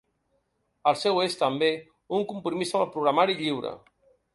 El seu és, també, un compromís amb el programari lliure.